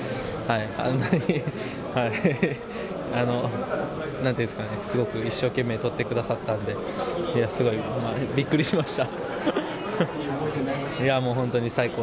あんなになんて言うんですかね、すごく一生懸命撮ってくださったんで、すごいびっくりしました。